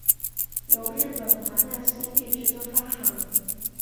由日本华纳兄弟制作发行。